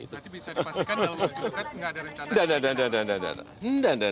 tadi bisa dipastikan kalau diperkat enggak ada rencana